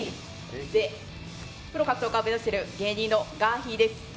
プロ格闘家を目指している芸人のがーひーです。